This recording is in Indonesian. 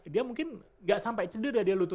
dia mungkin gak sampai cedera dia lutut